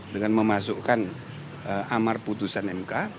dengan memasukkan amar putusan mk